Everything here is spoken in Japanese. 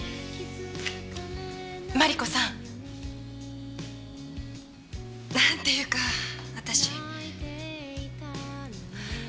マリコさんなんていうか私。